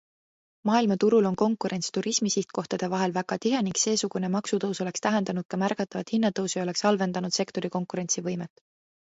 Maailmaturul on konkurents turismisihtkohtade vahel väga tihe ning seesugune maksutõus oleks tähendanud ka märgatavat hinnatõusu ja oleks halvendanud sektori konkurentsivõimet.